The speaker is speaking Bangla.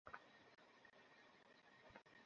আমার কাছে একবার আসতে, সব ভুলে যেতাম।